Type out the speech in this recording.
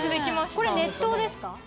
これ熱湯ですか？